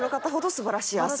素晴らしい朝。